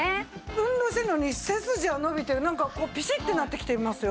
運動してるのに背筋が伸びてなんかビシッてなってきてますよ。